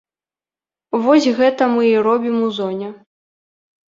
Вось гэта мы і робім у зоне.